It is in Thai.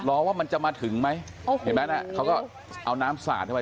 ว่ามันจะมาถึงไหมเห็นไหมน่ะเขาก็เอาน้ำสาดเข้าไป